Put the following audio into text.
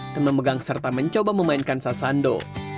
dan memegang serta mencoba memainkan sasando